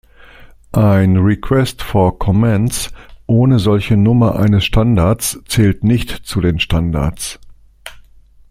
Ein Request for Comments ohne solche Nummer eines Standards zählt nicht zu den Standards.